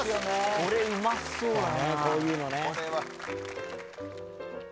これうまそうだな。